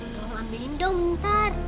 kamu ambilin dong ntar